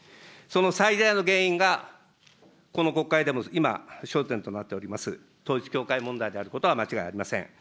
その最大の原因がこの国会でも今、焦点となっております、統一教会問題であることは間違いありません。